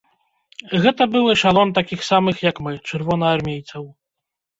Гэта быў эшалон такіх самых, як мы, чырвонаармейцаў.